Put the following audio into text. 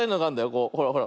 こうほらほら。